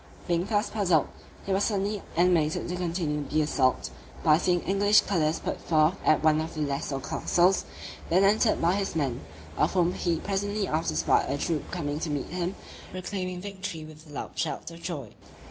Being thus puzzled, he was suddenly animated to continue the assault, by seeing English colours put forth at one of the lesser castles, then entered by his men; of whom he presently after spied a troop coming to meet him, proclaiming victory with loud shouts of joy.